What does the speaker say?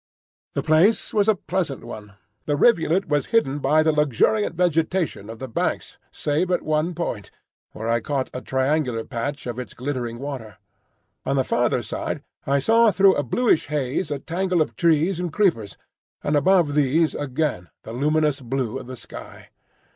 The place was a pleasant one. The rivulet was hidden by the luxuriant vegetation of the banks save at one point, where I caught a triangular patch of its glittering water. On the farther side I saw through a bluish haze a tangle of trees and creepers, and above these again the luminous blue of the sky.